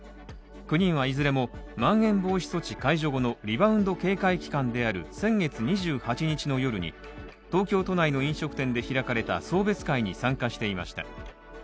９人はいずれもまん延防止等重点措置解除後のリバウンド警戒期間である先月２８日の夜に東京都内の飲食店で開かれた送別会に参加していました。